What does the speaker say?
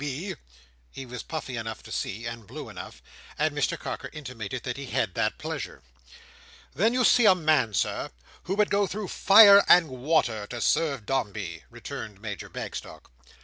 B.?" He was puffy enough to see, and blue enough; and Mr Carker intimated the he had that pleasure. "Then you see a man, Sir, who would go through fire and water to serve Dombey," returned Major Bagstock.